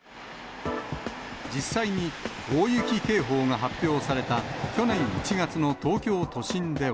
実際に大雪警報が発表された、去年１月の東京都心では。